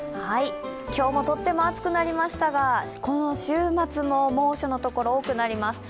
今日もとっても暑くなりましたが、この週末も猛暑の所多くなります。